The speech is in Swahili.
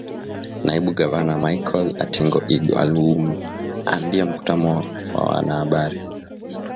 Naibu Gavana Michael Atingi-Ego aliuambia mkutano wa wanahabari